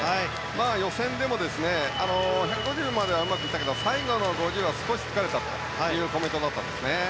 予選でも１５０まではうまくいったけど最後の５０は少し疲れたというコメントだったんですね。